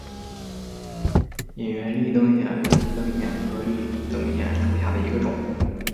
隐缘立灯藓为提灯藓科立灯藓属下的一个种。